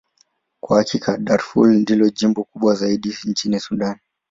Kwa hakika, Darfur ndilo jimbo kubwa zaidi nchini Sudan.